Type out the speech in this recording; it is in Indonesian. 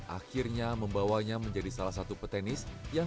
akhirnya membawanya menjadi salah satu pemenang keputusan yayu